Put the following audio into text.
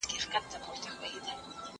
سبزیجات جمع کړه؟